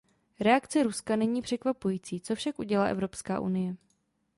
Reakce Ruska není překvapující, co však udělá Evropská unie?